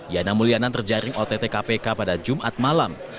yana mulyana terjaring ott kpk pada jumat malam